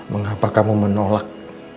mengapa kamu menolak